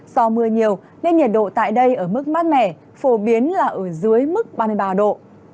do mưa nhiều nên nhiệt độ tại đây ở mức mát mẻ phổ biến là ở dưới mức ba mươi ba độ